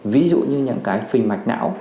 ví dụ như những phình mạch não